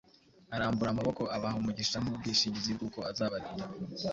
Arambura amaboko abaha umugisha nk’ubwishingizi bw’uko azabarinda,